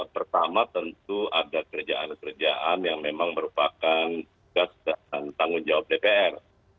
pertama tentu ada kerjaan kerjaan yang memang merupakan tugas dan tanggung jawab dpr